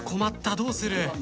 どうする！？